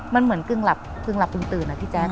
มันเหมือนกึ่งหลับกึ่งตื่นละพี่แจ๊ค